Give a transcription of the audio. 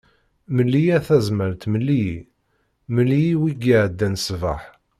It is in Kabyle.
Mel-iyi a Tazmalt mel-iyi, mel-iyi wi iɛeddan ṣbeḥ.